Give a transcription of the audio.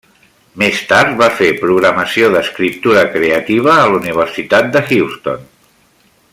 Més tard va fer programació d'escriptura creativa a la Universitat de Houston.